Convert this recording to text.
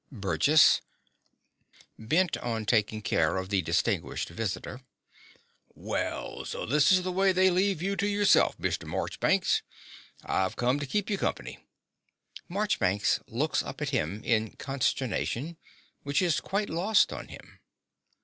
BURGESS (bent on taking care of the distinguished visitor). Well: so this is the way they leave you to yourself, Mr. Morchbanks. I've come to keep you company. (Marchbanks looks up at him in consternation, which is quite lost on him.)